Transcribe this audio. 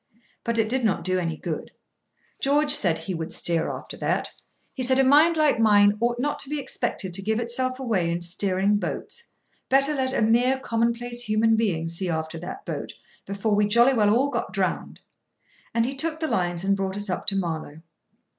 But it did not do any good. George said he would steer, after that. He said a mind like mine ought not to be expected to give itself away in steering boats—better let a mere commonplace human being see after that boat, before we jolly well all got drowned; and he took the lines, and brought us up to Marlow.